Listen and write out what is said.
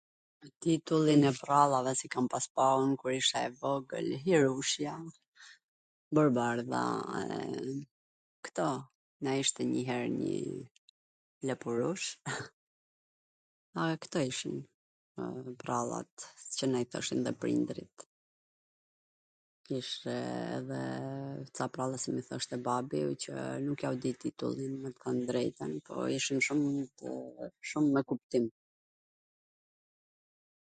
Titullin e prrallave si kam pas pa un kur isha e vogwl, Hirushja, Borbardha, e kto, Na ishte njw her njw lepurush, a kto ishin prrallat qw na i thoshin dhe prindrit, kishte edhe ca prralla qw m i thoshte babi, qw nuk ua di titullin me thwn t drejtwn, po ishin shum me kuptim.